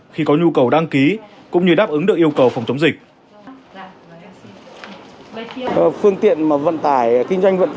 khi có nhu cầu đăng ký cũng như đáp ứng được yêu cầu phòng chống dịch